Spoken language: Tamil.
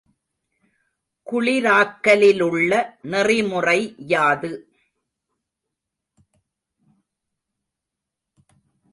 குளிராக்கலிலுள்ள நெறிமுறை யாது?